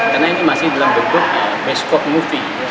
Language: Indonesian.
karena ini masih dalam bentuk besko movie